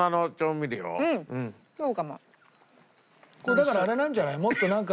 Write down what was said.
だからあれなんじゃない？